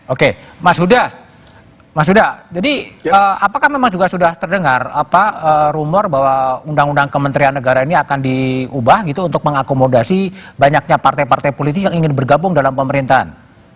oke mas huda mas huda jadi apakah memang juga sudah terdengar rumor bahwa undang undang kementerian negara ini akan diubah gitu untuk mengakomodasi banyaknya partai partai politik yang ingin bergabung dalam pemerintahan